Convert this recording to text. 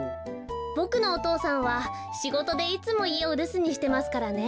ボクのお父さんはしごとでいつもいえをるすにしてますからね。